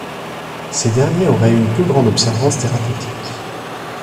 Ces derniers auraient une plus grande observance thérapeutique.